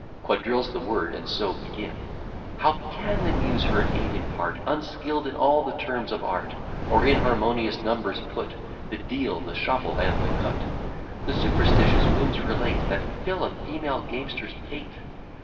Quadrille's the word, and so begin. How can the Muse her aid impart, Unskill'd in all the terms of art? Or in harmonious numbers put The deal, the shuffle, and the cut? The superstitious whims relate, That fill a female gamester's pate?